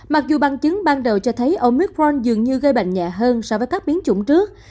mặc dù bằng chứng ban đầu cho thấy omicron dường như gây bệnh nhẹ hơn so với các biến chủng trước